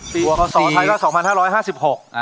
ปีของสอไทยก็๒๕๕๖